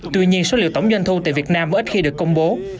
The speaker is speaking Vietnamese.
tuy nhiên số liệu tổng doanh thu tại việt nam ít khi được công bố